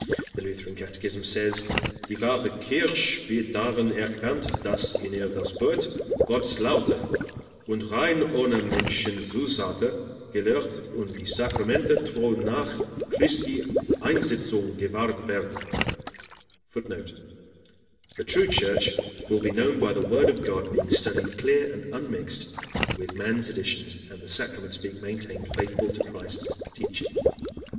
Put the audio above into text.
The Lutheran catechism says: "Die wahre kirche wird darein erkannt, dass in ihr das Wort Gottes lauter und rein ohne Menschenzusätze gelehrt and die Sacramente treu nach Christi Einsetzung gewahret werden." [Footnote: "The true Church will be known by the Word of God being studied clear and unmixed with man's additions and the sacraments being maintained faithful to Christ's teaching."